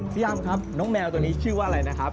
พี่อำครับน้องแมวตัวนี้ชื่อว่าอะไรนะครับ